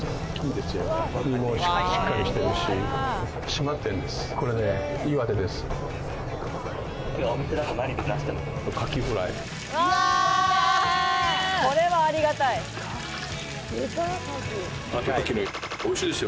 身もしっかりしてるし、しまってるんです。